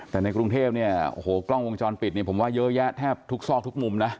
แต่ในกรุงเทพกล้องวงจรปิดผมว่าเยอะแยะแทบทุกซอกทุกมุมนะ